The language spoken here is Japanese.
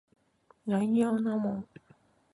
ないようなもん